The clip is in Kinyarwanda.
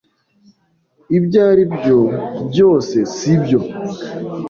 Ibyo aribyo byose, sibyo?